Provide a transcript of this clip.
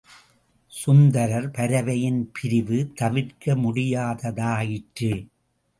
சுந்தரர் பரவையின் பிரிவு தவிர்க்க முடியாததாயிற்று!